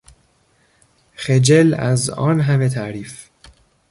خجل از آن همه تعریف